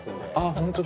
ホントだ。